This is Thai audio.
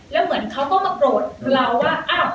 แล้วเหมือนเขาก็มาโกรธเราว่าอ้าว